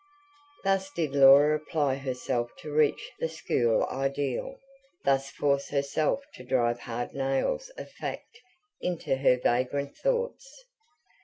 Thus did Laura apply herself to reach the school ideal, thus force herself to drive hard nails of fact into her vagrant thoughts.